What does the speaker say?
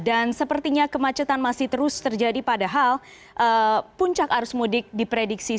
sepertinya kemacetan masih terus terjadi padahal puncak arus mudik diprediksi